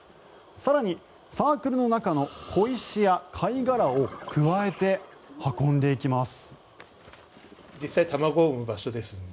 更に、サークルの中の小石や貝殻をくわえて運んでいきます。